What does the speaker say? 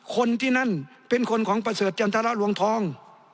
คนที่นั่นเป็นคนของประเสริฐจันทรลวงทอง